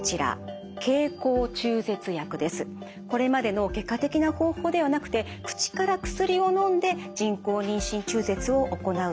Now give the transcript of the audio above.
これまでの外科的な方法ではなくて口から薬をのんで人工妊娠中絶を行うといった方法です。